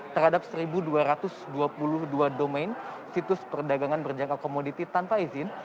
terhadap satu dua ratus dua puluh dua domain situs perdagangan berjangka komoditi tanpa izin